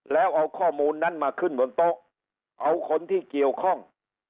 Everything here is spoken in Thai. แล้วเอาข้อมูลนั้นมาขึ้นบนโต๊ะเอาคนที่เกี่ยวข้อง